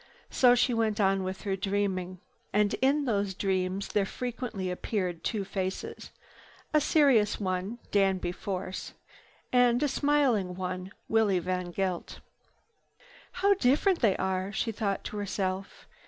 So she went on with her dreaming. And in those dreams there frequently appeared two faces—a serious one, Danby Force, and a smiling one, Willie VanGeldt. "How different they are!" she thought to herself.